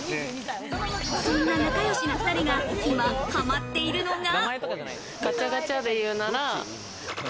そんな仲よしな２人が今ハマっているのが。